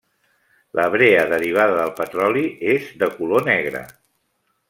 La brea derivada del petroli és de color negre.